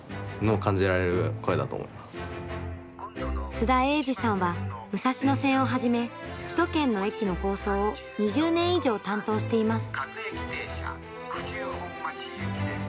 津田英治さんは武蔵野線をはじめ首都圏の駅の放送を２０年以上担当しています。